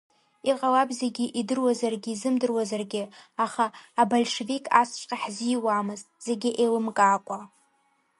Иҟалап зегьы идыруазаргьы изымдыруазаргьы, аха абольшевик асҵәҟьа ҳзиуамызт, зегьы еилымкаакәа.